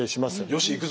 「よしいくぞ！」